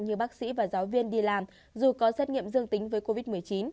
như bác sĩ và giáo viên đi làm dù có xét nghiệm dương tính với covid một mươi chín